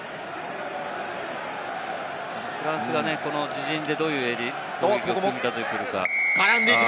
フランスが自陣でどういう組み立てをしてくるか？